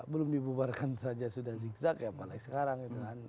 belum dibubarkan saja sudah zigzag ya paling sekarang itu kan